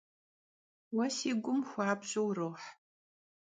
Vue si gum xuabju vuroh.